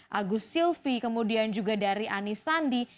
yang sangat penting untuk anisandi